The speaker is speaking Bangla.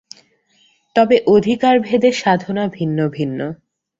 তবে অধিকারিভেদে সাধনা ভিন্ন ভিন্ন।